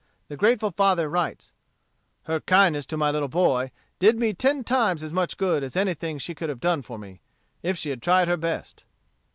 The grateful father writes: "Her kindness to my little boy did me ten times as much good as anything she could have done for me, if she had tried her best."